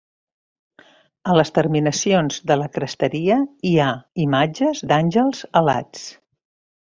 A les terminacions de la cresteria hi ha imatges d'àngels alats.